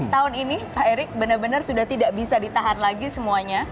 tahun ini pak erik benar benar sudah tidak bisa ditahan lagi semuanya